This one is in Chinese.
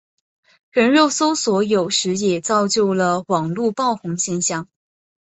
人肉搜索有时也造就了网路爆红现象。